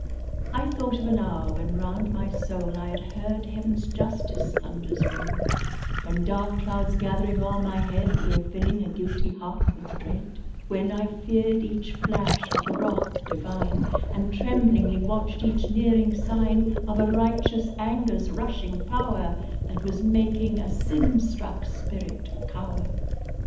I thought of an hour when round my soul I had heard heaven's justice thunders roll; When dark clouds gathering o'er my head Were filling a guilty heart with dread; When I feared each flash of the wrath divine, And tremblingly watched each nearing sign Of a righteous anger's rushing power That was making a sin struck spirit cower.